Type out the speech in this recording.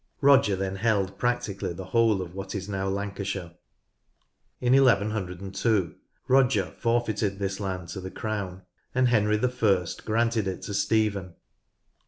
Roger then held practically the whole of what is now Lancashire. In 1 102 Roger forfeited this land to the crown, and Henry I granted it to Stephen.